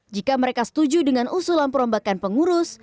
jika mereka setuju dengan usulan perombakan pengurus